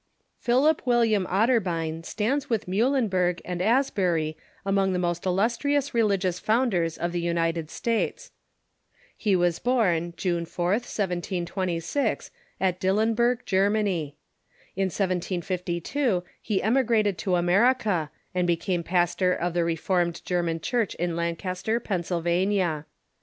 Philip William Otterbein stands with Muhlenberg and As bury among the most illustrious religious founders of the United States. He was born, June 4th, 1726, at D lu^'^"^!.^'* I. Dillenburg, Germany. In 1752 he emigrated to Brethren (/hurcn o' ./ o America, and became pastor of the Reformed German Church in Lancaster, Pennsylvania.